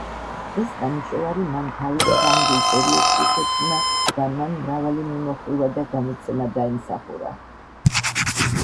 ეს ნამუშევარი მან თავის ფრანგულ პერიოდში შექმნა და მან მრავალი მიმოხილვა და გამოცემა დაიმსახურა.